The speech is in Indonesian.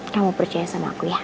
kamu percaya sama aku ya